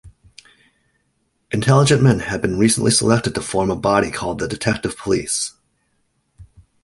Intelligent men have been recently selected to form a body called the detective police.